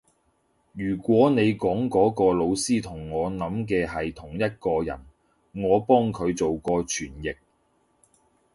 如果你講嗰個老師同我諗嘅係同一個人，我幫佢做過傳譯